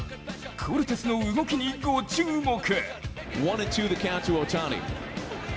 コルテスの動きにご注目。